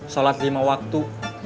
sholat lima waktu